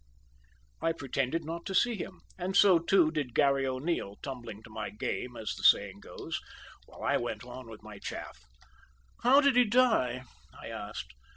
I pretended not to see him, and so too did Garry O'Neil, "tumbling to my game," as the saying goes, while I went on with my chaff. "How did he die?" I asked.